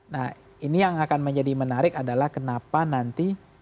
nah ini yang akan menjadi menarik adalah kenapa nanti